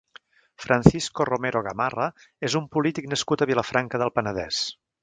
Francisco Romero Gamarra és un polític nascut a Vilafranca del Penedès.